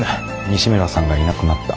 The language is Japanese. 西村さんがいなくなった。